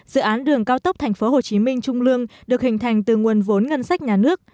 dự án đường cao tốc tp hcm trung lương được hình thành từ nguồn vốn ngân sách nhà nước